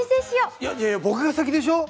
いやいや僕が先でしょ！